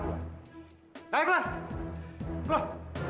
puas kamu enggak siap siap akan